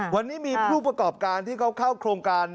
วันนี้มีผู้ประกอบการที่เขาเข้าโครงการ